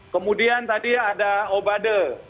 kemudian tadi ada obade